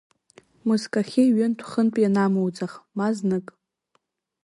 Мызкахьы ҩынтә-хынтә ианамуӡах, ма знык.